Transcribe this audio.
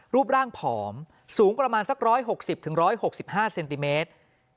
รูปร่างผอมสูงประมาณสัก๑๖๐๑๖๕เซนติเมตร